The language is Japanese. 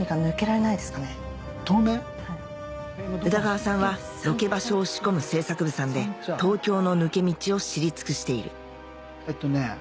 宇多川さんはロケ場所を仕込む制作部さんで東京の抜け道を知り尽くしているえっとね